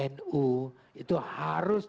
nu itu harus